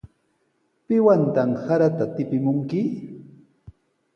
¿Piwantaq sarata tipimunki?